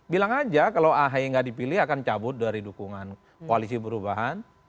bilang aja kalau aa yang tidak dipilih akan cabut dari dukungan koalisi perubahan